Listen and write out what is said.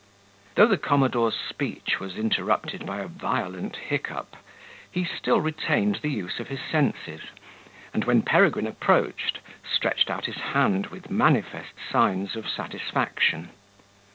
Though the commodore's speech was interrupted by a violent hiccup, he still retained the use of his senses; and, when Peregrine approached, stretched out his hand with manifest signs of satisfaction.